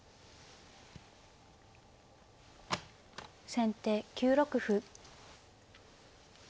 先手９六歩。